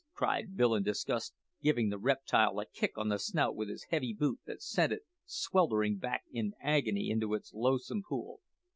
cried Bill in disgust, giving the reptile a kick on the snout with his heavy boot that sent it sweltering back in agony into its loathsome pool.